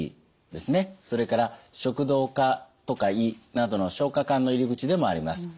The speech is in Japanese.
それから食道とか胃などの消化管の入り口でもあります。